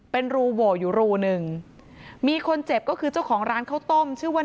เป็นรูบวงอยู่ลูง๑มีคนเจ็บก็คือเจ้าของร้านเขาต้มชื่อว่า